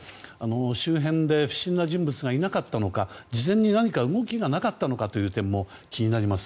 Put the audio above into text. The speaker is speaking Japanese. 周辺で不審な人物がいなかったのか事前に何か動きがなかったのかという点も気になります。